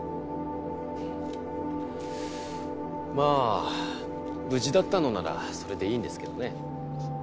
まあ無事だったのならそれでいいんですけどね。